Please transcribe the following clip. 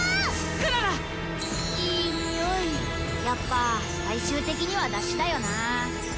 やっぱ最終的にはだしだよな。